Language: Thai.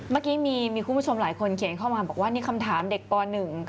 เมื่อกี้มีคุณผู้ชมหลายคนเขียนเข้ามาบอกว่านี่คำถามเด็กป๑